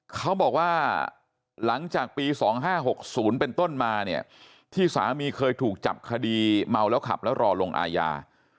เขาบอกว่าหลังจากปี๒๕๖๐เป็นต้นมาเนี่ยที่สามีเคยถูกจับคดีเมาแล้วขับแล้วรอลงอาญา